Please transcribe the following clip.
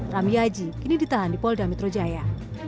ramiyaji kini ditahan di polda metro jaya